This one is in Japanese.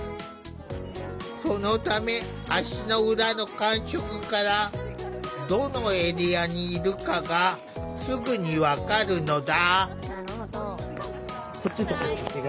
そのため足の裏の感触からどのエリアにいるかがすぐに分かるのだ。